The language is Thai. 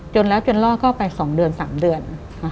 จนแล้วจนล่อก็ไป๒เดือน๓เดือน